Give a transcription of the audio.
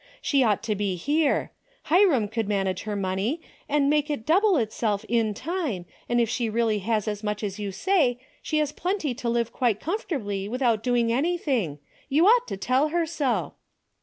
She ought to be here. Hiram could manage her money and make it double itself in time, and if she really has as much as you say, she has plenty to live quite comfortably without doing anything. You ought to tell her so."